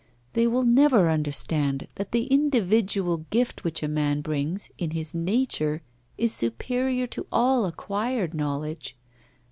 They will never understand that the individual gift which a man brings in his nature is superior to all acquired knowledge.